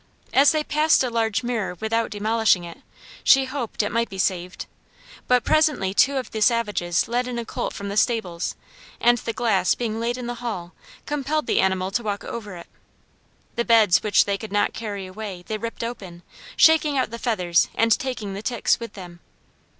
As they passed a large mirror without demolishing it, she hoped it might be saved; but presently two of the savages led in a colt from the stables and the glass being laid in the hall, compelled the animal to walk over it. The beds which they could not carry away they ripped open, shaking out the feathers and taking the ticks with them.